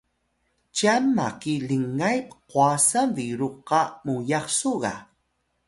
cyan maki lingay pqwasan biru qa muyax su ga?